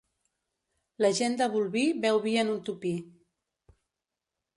La gent de Bolvir beu vi en un tupí.